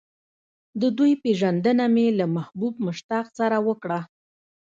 د دوی پېژندنه مې له محبوب مشتاق سره وکړه.